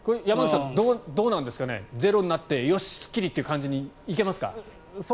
山口さんどうなんですかねゼロになってよしという感じに行けますか。